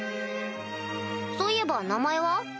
そういえば名前は？